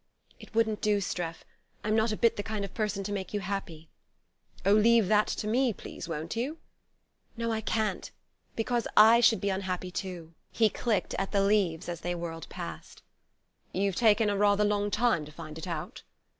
"It wouldn't do, Streff. I'm not a bit the kind of person to make you happy." "Oh, leave that to me, please, won't you?" "No, I can't. Because I should be unhappy too." He clicked at the leaves as they whirled past. "You've taken a rather long time to find it out."